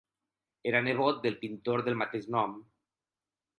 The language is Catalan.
Era nebot del pintor del mateix nom.